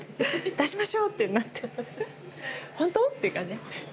「出しましょう！」ってなって「ほんと？」って感じで。